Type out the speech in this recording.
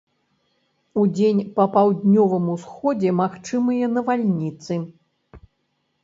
Удзень па паўднёвым усходзе магчымыя навальніцы.